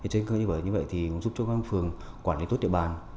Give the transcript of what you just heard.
trên cơ như vậy thì cũng giúp cho các phường quản lý tốt địa bàn